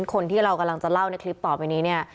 คนที่เรากำลังจะเล่าในคลิปต่อไปนี้เนี่ย